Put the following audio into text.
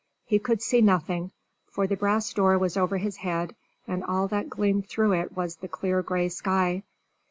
He could see nothing, for the brass door was over his head, and all that gleamed through it was the clear gray sky.